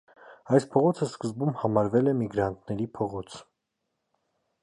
Այս փողոցը սկզբում համարվել է միգրանտների փողոց։